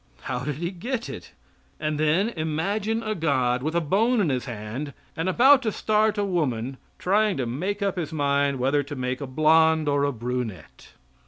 How did he get it? And then imagine a God with a bone in his hand, and about to start a woman, trying to make up his mind whether to make a blonde or a brunette.